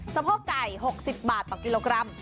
สะโพกไก่๖๐บาทต่อกิโลกรัม